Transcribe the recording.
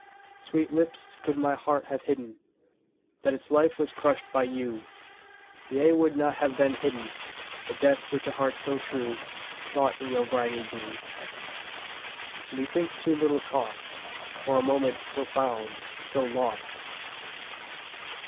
_15 4. Sweet lips, could my heart have hidden That its life was crushed by you, Ye would not have then forbidden The death which a heart so true Sought in your briny dew. _20 5. ......... Methinks too little cost For a moment so found, so lost!